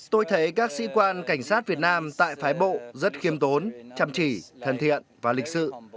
tôi thấy các sĩ quan cảnh sát việt nam tại phái bộ rất khiêm tốn chăm chỉ thân thiện và lịch sự